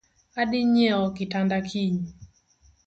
Adii nyieo kitanda kiny